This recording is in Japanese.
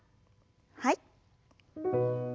はい。